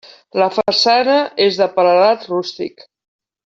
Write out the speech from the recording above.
La façana és de paredat rústic.